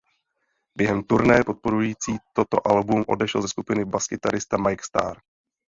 Během turné podporující toto album odešel ze skupiny baskytarista Mike Starr.